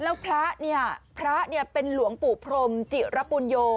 แล้วพระนี่พระนี่เป็นหลวงปู่พรมจิลฤบูรญโย